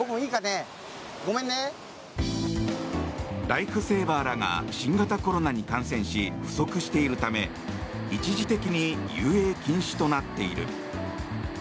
ライフセーバーらが新型コロナに感染し不足しているため一時的に遊泳禁止となっている。